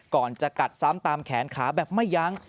ก่อนจะกัดซ้ำตามแขนขาแบบไม่ยั้ง